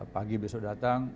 pagi besok datang